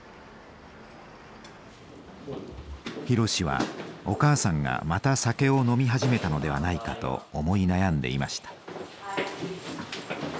博はお母さんがまた酒を飲み始めたのではないかと思い悩んでいました。